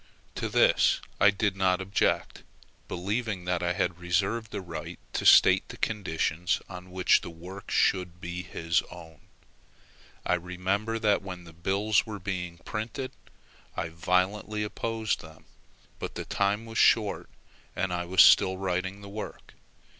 To this I did not object, believing that I had reserved the right to state the conditions on which the work should be his own. I remember that when the bills were being printed, I violently opposed them, but the time was too short, as I was still writing the work.